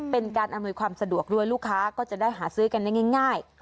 เป็นการอำนวยความสะดวกด้วยลูกค้าก็จะได้หาซื้อกันได้ง่าย